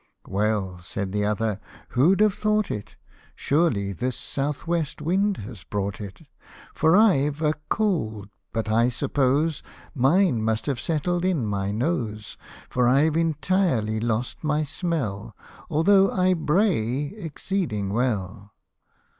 <l Well/' said the other, " who'd have thought it ; Surely this south west wind has brought it ; For I've a cold, but I suppose Mine must have settled in my nose ; For I've entirely lost my smell, Although I bray exceeding well."